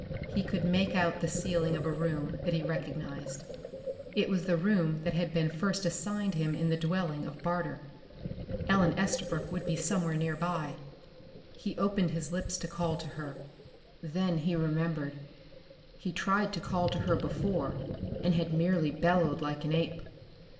He could make out the ceiling of a room that he recognized. It was the room that had been first assigned him in the dwelling of Barter. Ellen Estabrook would be somewhere nearby. He opened his lips to call to her. Then he remembered. He'd tried to call to her before and had merely bellowed like an ape.